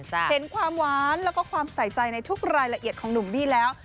เห็นความหวานแล้วก็ความใส่ใจในทุกรายละเอียดของหนุ่มบี้แล้ว